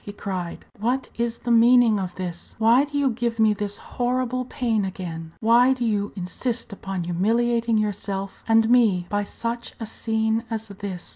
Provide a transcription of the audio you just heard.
he cried, "what is the meaning of this? Why do you give me this horrible pain again? Why do you insist upon humiliating yourself and me by such a scene as this?"